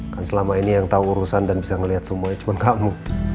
kan selama ini yang tahu urusan dan bisa melihat semuanya cuma kamu